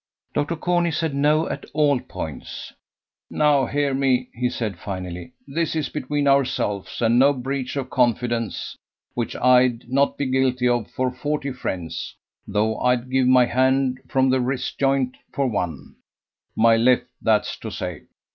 Dr. Corney said no at all points. "Now hear me," he said, finally. "This is between ourselves, and no breach of confidence, which I'd not be guilty of for forty friends, though I'd give my hand from the wrist joint for one my left, that's to say.